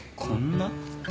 「こんな」？